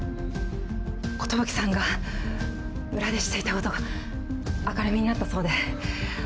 寿さんが裏でしていたことが明るみになったそうで。